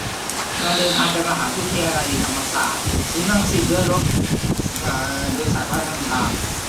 การเดินทางไปมหาวิทยาลัยธรรมศาสตร์ ศูนย์รังสิต ด้วยรถโดยสารประจำทาง